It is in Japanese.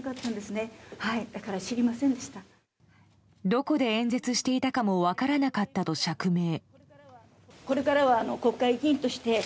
どこで演説していたかも分からなかったと釈明。